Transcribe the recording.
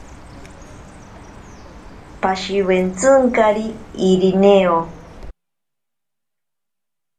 Pashiwentsinkari Irineo.